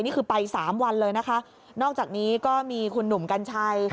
นี่คือไป๓วันเลยนะคะนอกจากนี้ก็มีคุณหนุ่มกัญชัย